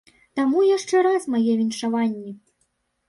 Таму яшчэ раз мае віншаванні!